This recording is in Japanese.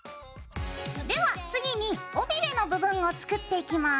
では次に尾びれの部分を作っていきます。